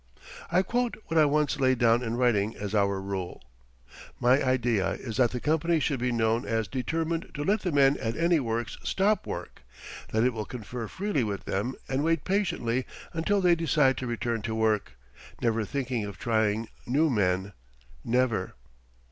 I quote what I once laid down in writing as our rule: "My idea is that the Company should be known as determined to let the men at any works stop work; that it will confer freely with them and wait patiently until they decide to return to work, never thinking of trying new men never."